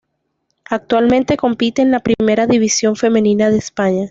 Actualmente compite en la Primera División Femenina de España.